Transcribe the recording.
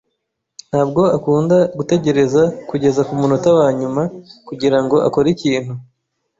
Ntabwo akunda gutegereza kugeza kumunota wanyuma kugirango akore ikintu.